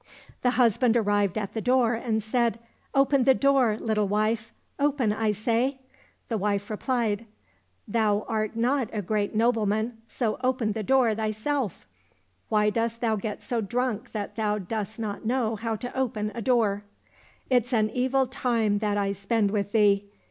The husband arrived at the door and said, Open the door, little wife ; open, I say !"— The wife replied, " Thou art not a great nobleman, so open the door thyself. Why dost thou get so drunk that thou dost not know how to open a door ? It's an evil time that I spend with thee.